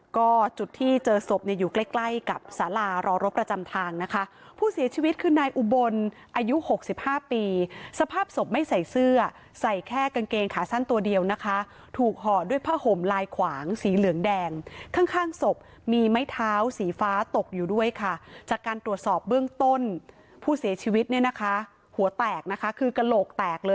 ก็จุดที่เจอศพเนี่ยอยู่ใกล้ใกล้กับสารารอรบประจำทางนะคะผู้เสียชีวิตคือนายอุบลอายุหกสิบห้าปีสภาพศพไม่ใส่เสื้อใส่แค่กางเกงขาสั้นตัวเดียวนะคะถูกห่อด้วยผ้าห่มลายขวางสีเหลืองแดงข้างข้างศพมีไม้เท้าสีฟ้าตกอยู่ด้วยค่ะจากการตรวจสอบเบื้องต้นผู้เสียชีวิตเนี่ยนะคะหัวแตกนะคะคือกระโหลกแตกเลย